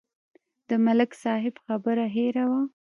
د ملک صاحب خبره هېره وه.